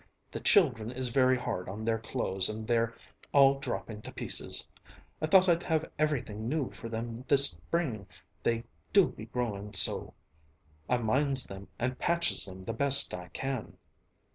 The children is very hard on their clothes and they're all dropping to pieces. I thought I'd have everything new for them this spring, they do be growing so. I minds them and patches them the best I can."